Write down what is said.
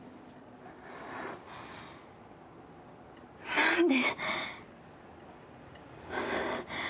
何で？